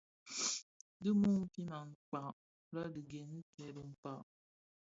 Bë mumfin akpaň lè dhi gènè kè dhikpag.